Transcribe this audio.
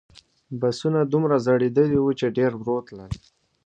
بسونه دومره زړیدلي وو چې ډېر ورو تلل.